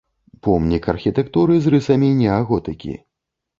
Помнік архітэктуры з рысамі неаготыкі.